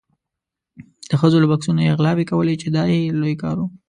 د ښځو له بکسونو یې غلاوې کولې چې دا یې لوی کار و.